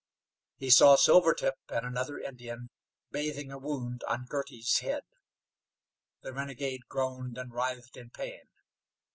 He saw Silvertip and another Indian bathing a wound on Girty's head. The renegade groaned and writhed in pain.